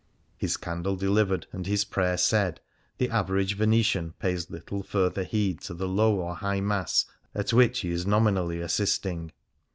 His candle delivered and his prayer said, the average Venetian pays little further heed to the Low or High Mass at which he is nominally assisting.